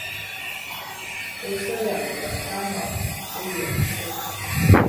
不是两个？大脑不也是？